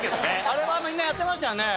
あれはみんなやってましたよね。